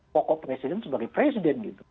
pokok presiden sebagai presiden